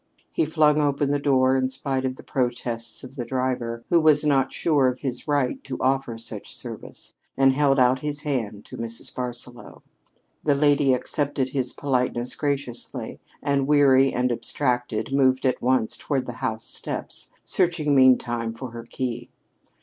He flung open the door in spite of the protests of the driver, who was not sure of his right to offer such a service, and held out his hand to Mrs. Barsaloux. That lady accepted his politeness graciously, and, weary and abstracted, moved at once toward the house steps, searching meantime for her key.